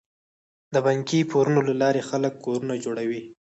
د بانکي پورونو له لارې خلک کورونه جوړوي.